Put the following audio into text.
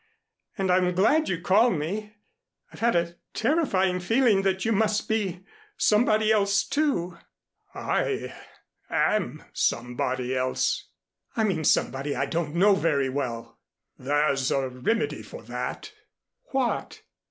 And I'm glad you called me. I've had a terrifying feeling that you must be somebody else, too." "I am somebody else." "I mean somebody I don't know very well." "There's a remedy for that." "What?"